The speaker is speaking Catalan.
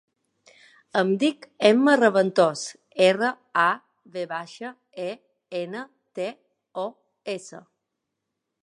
Em dic Emma Raventos: erra, a, ve baixa, e, ena, te, o, essa.